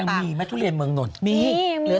มีไหมทุเรียนเมืองนนท์ทุเรียนเมืองนนท์เห็นมั้ย